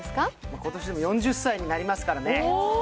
今年でも４０歳になりますからねおお！